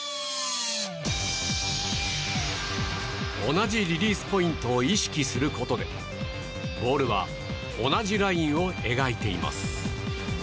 同じリリースポイントを意識することでボールは同じラインを描いています。